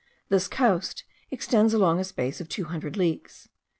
This coast extends along a space of two hundred leagues.